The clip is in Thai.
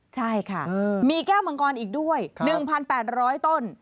ใช่ค่ะมีแก้วมังกรอีกด้วย๑๘๐๐ต้น